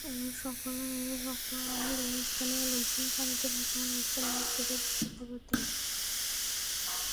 সকালে স্থানীয় লোকজন পানিতে ভাসমান অবস্থায় লাশ দেখে পুলিশে খবর দেয়।